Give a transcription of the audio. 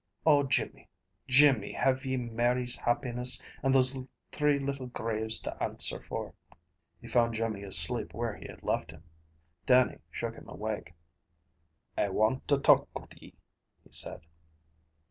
Oh, Jimmy, Jimmy, have ye Mary's happiness and those three little graves to answer for?" He found Jimmy asleep where he had left him. Dannie shook him awake. "I want to talk with ye," he said.